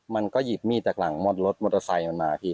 มันก็หยิบมีดจากหลังมอดรถมอเตอร์ไซค์มันมาพี่